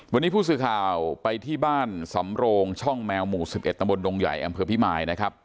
วันนี้ผู้สื่อข่าวไปที่บ้านสำโรงช่องแมวหมู่๑๑ตำบลดงใหญ่อำเภอพิมายนะครับ